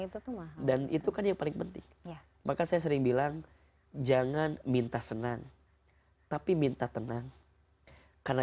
itu teman dan itu kan yang paling penting maka saya sering bilang jangan minta senang tapi minta tenang karena